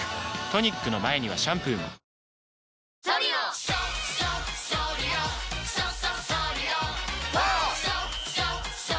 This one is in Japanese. トニックの前にはシャンプーもアッ！